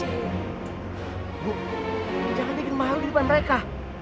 ibu jangan bikin malu di depan mereka